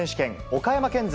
岡山県勢